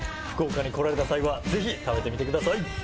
福岡に来られた際はぜひ食べてみてください。